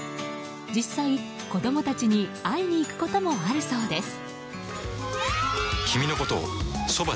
実際、子供たちに会いに行くこともあるそうです。